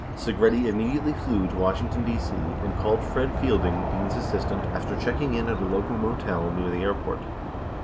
57 Segretti immediately flew to Washington, D.C., and called Fred Fielding, Dean's assistant, after checking in at a motel near the air port.